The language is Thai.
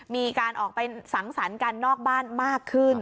มีการออกไปสังสรรค์กันนอกบ้านมากขึ้น